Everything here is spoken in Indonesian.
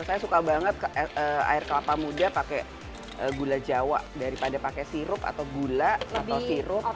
saya suka banget air kelapa muda pakai gula jawa daripada pakai sirup atau gula atau sirup